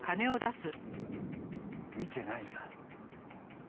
見てないよな？